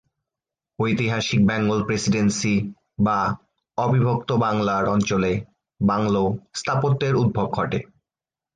ঐতিহাসিক Bengal presidency বা অবিভক্ত বাংলা অঞ্চলে ‘বাংলো’ স্থাপত্যের উদ্ভব ঘটে।